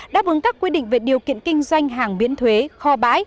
đáp ứng các quy định về điều kiện kinh doanh hàng biến thuế kho bãi